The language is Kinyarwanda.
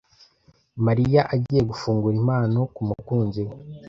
Mariya agiye gufungura impano kumukunzi we.